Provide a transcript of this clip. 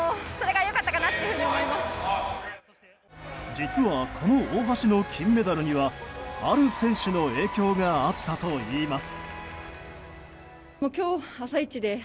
実はこの大橋の金メダルにはある選手の影響があったといいます。